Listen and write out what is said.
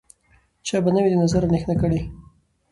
چا به نه وي د نظر اندېښنه کړې